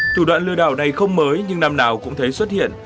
thủ đoạn lừa đảo này không mới nhưng năm nào cũng thấy xuất hiện